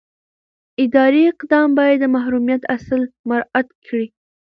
اداري اقدام باید د محرمیت اصل مراعات کړي.